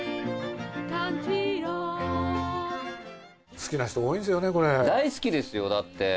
好きな人、多いんですよね、大好きですよ、だって。